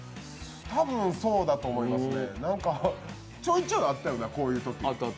多分そうだと思いますね、ちょいちょいあったよね、こういうとき。